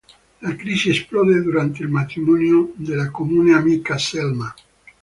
La crisi esplode durante il matrimonio della comune amica Selma.